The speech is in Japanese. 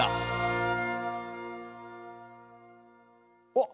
あっ！